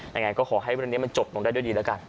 ยังไงก็ขอให้เรื่องนี้มันจบลงได้ด้วยดีแล้วกัน